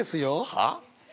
はっ？